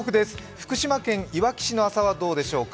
福島県いわき市の朝はどうでしょうか。